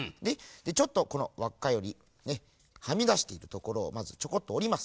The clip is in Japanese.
でちょっとこのわっかよりねはみだしているところをまずちょこっとおります。